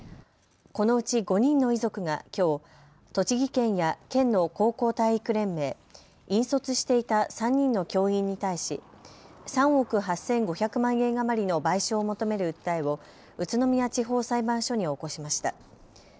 このうち５人の遺族がきょう栃木県や県の高校体育連盟、引率していた３人の教員に対し３億８５００万円余りの賠償を求める訴えを宇都宮地方裁判所に起こしました。